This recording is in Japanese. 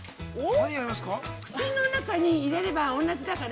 口の中に入れれば、同じだから。